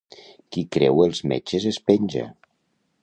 Qui creu els metges es penja.